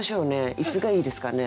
いつがいいですかね？